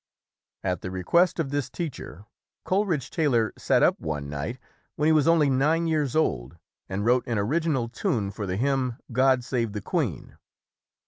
At the request of this teacher, Coleridge Tay lor sat up one night, when he was only nine years old, and wrote an original tune for the hymn, "God Save the Queen".